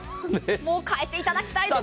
もう替えていただきたいです。